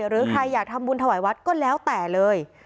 หรือใครอยากทำบุญถวายวัดก็แล้วแต่เลย